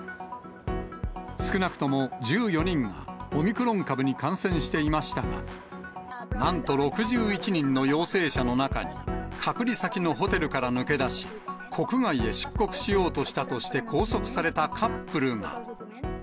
少なくとも１４人がオミクロン株に感染していましたが、なんと６１人の陽性者の中に、隔離先のホテルから抜け出し、国外へ出国しようとしたとして拘束されたカップルが。